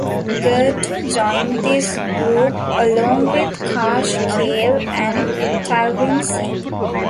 Gurtu joined this group along with Karsh Kale and Talvin Singh.